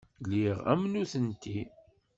Lliɣ am nutenti.